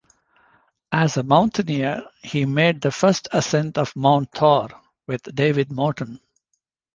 As a mountaineer, he made the first ascent of Mount Thor, with David Morton.